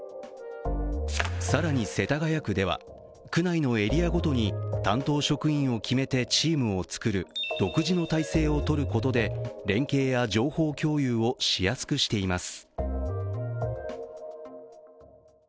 更に世田谷区では、区内のエリアごとに担当職員を決めてチームを作る独自の体制を取ることで、連携や情報共有をしやすくしています。